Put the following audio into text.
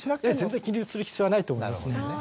全然気にする必要はないと思いますね。